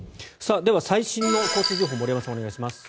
では、最新の交通情報森山さん、お願いします。